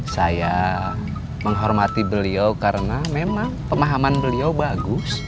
saya menghormati beliau karena memang pemahaman beliau bagus